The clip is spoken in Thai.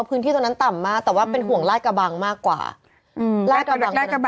เพราะฉะนั้นคือต้องต้องเฝ้าระวังกันทุกพื้นที่เลย